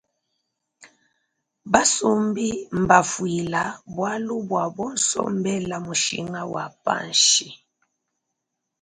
Basumbi mbafwila bwalubwa bonso mbela mushinga wa panshi.